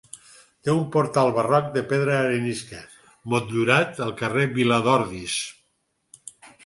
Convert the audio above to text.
Té un portal barroc de pedra arenisca, motllurat, al carrer Viladordis.